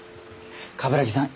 冠城さん